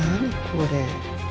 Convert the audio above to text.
これ。